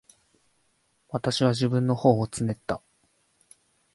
私は自分の頬をつねった。